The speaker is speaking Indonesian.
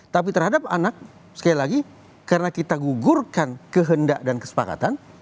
tapi terhadap anak sekali lagi karena kita gugurkan kehendak dan kesepakatan